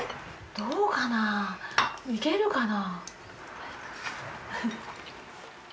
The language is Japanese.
どうかないけるかな。